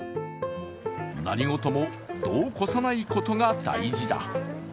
何事も度を超さないことが大事だ。